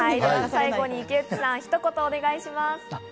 池内さん、ひと言お願いします。